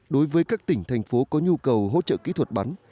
đối với các tỉnh thành phố có nhu cầu hỗ trợ kỹ thuật bắn